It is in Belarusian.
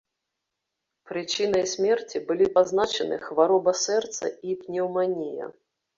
Прычынай смерці былі пазначаны хвароба сэрца і пнеўманія.